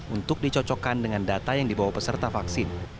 untuk dicocokkan dengan data yang dibawa peserta vaksin